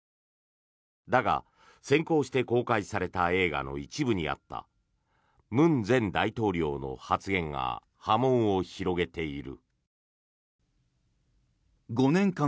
だが、先行して公開された映画の一部にあった文前大統領の発言が波紋を広げている。